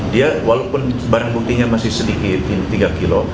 dia walaupun barang buktinya masih sedikit tiga kilo